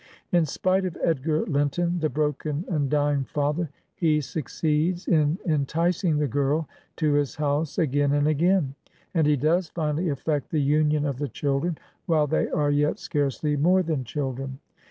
In spite of Edgar Linton, the broken and dying father, he suc ceeds in enticing the girl to his house again and again, and he does finally effect the union of the children, while they are yet scarcely more than children.